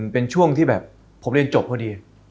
เป็นช่วงที่แบบผมเรียนจบพอดี